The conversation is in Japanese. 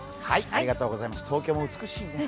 東京も美しい。